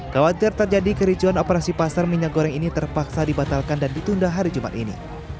khawatir terjadi kericuan operasi pasar minyak goreng ini terpaksa dibatalkan dan ditunda hari jumat ini